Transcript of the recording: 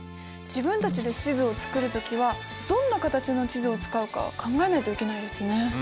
自分たちで地図を作る時はどんな形の地図を使うか考えないといけないですね。